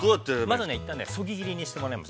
◆まずは、一旦そぎ切りにしてもらいます。